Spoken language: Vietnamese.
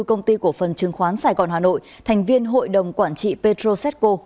công ty cổ phần trương khoán sài gòn hà nội thành viên hội đồng quản trị pedro seco